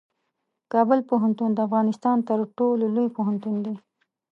کابل پوهنتون د افغانستان تر ټولو لوی پوهنتون دی.